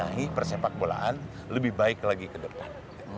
membenahi persepak bolaan lebih baik lagi ke depan